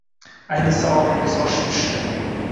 Ayniqsa oxirgisi oshib tushdi.